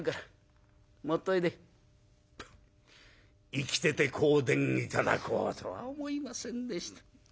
「生きてて香典頂こうとは思いませんでした。